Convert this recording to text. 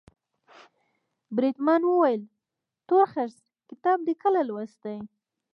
بریدمن وویل تورخرس کتاب دي کله لوستی.